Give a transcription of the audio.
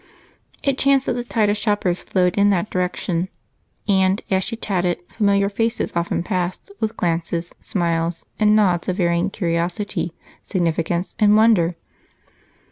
It chanced that the tide of shoppers flowed in that direction and, as she chatted, familiar faces often passed with glances, smiles, and nods of varying curiosity, significance, and wonder.